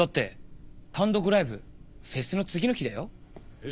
えっ？